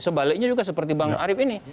sebaliknya juga seperti bang arief ini